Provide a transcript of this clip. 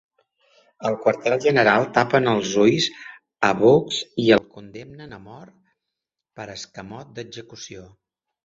Al quarter general, tapen els ulls a Bugs i el condemnen a mort per escamot d'execució.